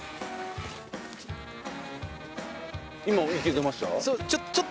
今いけてました？